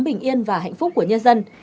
bình yên và hạnh phúc của nhân dân